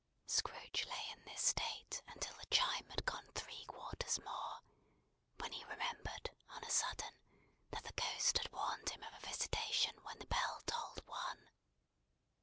Scrooge lay in this state until the chime had gone three quarters more, when he remembered, on a sudden, that the Ghost had warned him of a visitation when the bell tolled one.